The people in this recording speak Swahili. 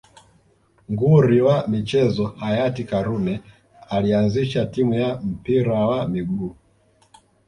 Nguri wa michezo hayati karume alianzisha timu ya mpira wa miguu